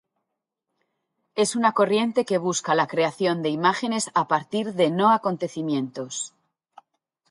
Es una corriente que busca la creación de imágenes a partir de no-acontecimientos.